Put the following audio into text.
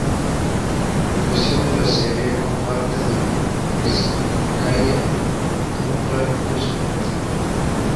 La creación de la Acería Compacta de Bizkaia tuvo un claro impulso político.